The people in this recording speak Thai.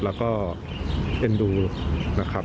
แล้วก็เอ็นดูนะครับ